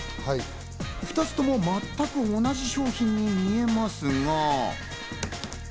２つとも全く同じ商品に見えますが。